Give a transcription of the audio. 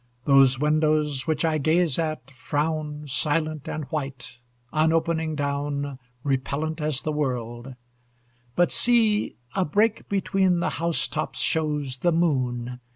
Those windows, which I gaze at, frown, Silent and white, unopening down, Repellent as the world, but see, A break between the housetops shows The moon!